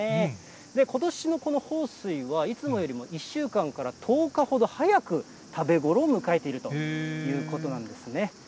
ことしのこの豊水は、いつもよりも１週間から１０日ほど早く、食べ頃を迎えているということなんですね。